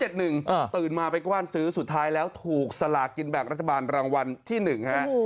ตื่นมาไปกว้านซื้อสุดท้ายแล้วถูกสลากินแบ่งรัฐบาลรางวัลที่๑ฮะ